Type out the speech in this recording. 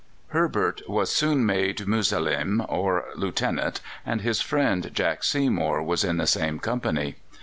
Herbert was soon made Mulazim, or Lieutenant, and his friend Jack Seymour was in the same company.